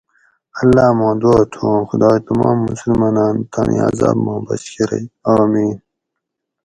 اللّٰہ ما دُعا تھو ھوں خدائ تمام مسلماںاۤن تانی عزاب ما بچ کرئ! آمین